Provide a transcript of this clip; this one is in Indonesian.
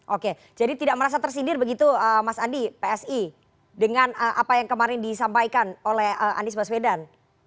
oke jadi tidak merasa tersindir begitu mas andi psi dengan apa yang kemarin disampaikan oleh anies baswedan